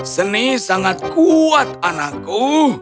seni sangat kuat anakku